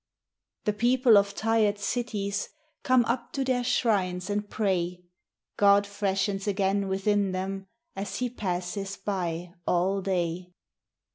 The people of tired cities Come up to their shrines and pray; God freshens again within them, As he passes by all day.